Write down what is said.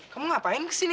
kamu ngapain kesini